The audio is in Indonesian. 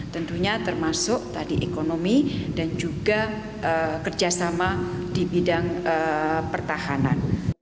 tentunya termasuk tadi ekonomi dan juga kerjasama di bidang pertahanan